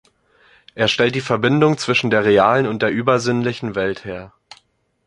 Er stellt die Verbindung zwischen der realen und der übersinnlichen Welt her.